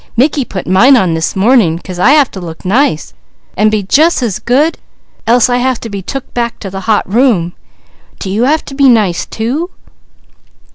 Mickey put mine on this morning 'cause I have to look nice and be jus' as good, else I have to be took back to the hot room. Do you have to be nice too?"